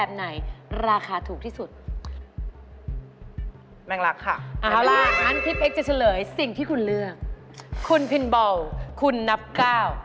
แม่งลักค่ะ